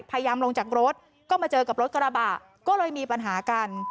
พยายามลงจากรถก็มาเจอกับรถกระบะก็เลยมีปัญหากัน